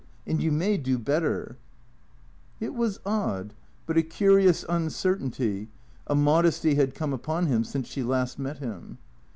And you may do better " It was odd, but a curious uncertainty, a modesty had come upon him since she last met him.